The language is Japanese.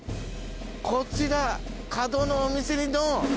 こちら角のお店にドン！